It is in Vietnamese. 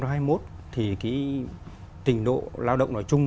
trình độ lao động nói chung trình độ lao động nói chung